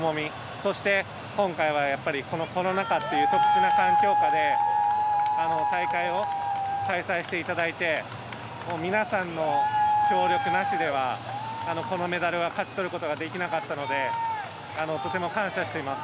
そして今回は、コロナ禍という特殊な環境下で大会を開催していただいて皆さんの協力なしではこのメダルは勝ち取ることはできなかったのでとても感謝しています。